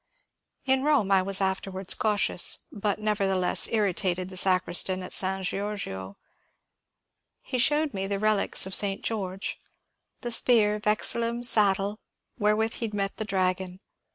In Rome I was afterwards cautious, but nevertheless irri tated the sacristan at S. Georgio. He showed me the relics of St. George, — the spear, vexillum, saddle, wherewith he met the dragon.